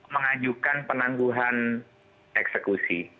mengajukan penangguhan eksekusi